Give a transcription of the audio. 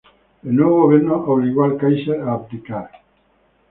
El nuevo gobierno obligó al Káiser a abdicar.